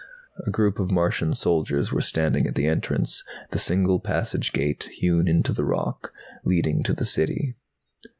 A group of Martian soldiers were standing at the entrance, the single passage gate hewn into the rock, leading to the City.